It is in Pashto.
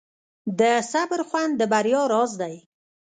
د صبر خوند د بریا راز دی.